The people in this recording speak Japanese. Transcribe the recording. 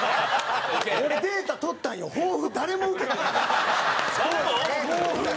俺、データ取ったんよ抱負、誰もウケてない。